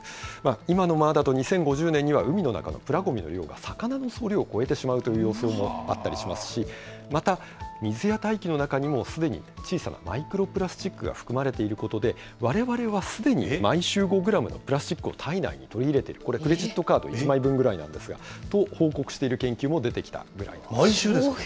今のままだと２０５０年には、海の中のプラごみの量が魚の総量を超えてしまうという予想もあったりしますし、また水や大気の中にも、すでに小さなマイクロプラスチックが含まれていることで、われわれはすでに毎週５グラムのプラスチックを体内に取り入れている、これ、クレジットカード１枚分ぐらいなんですが、と報告している研究も出てきたぐらいです。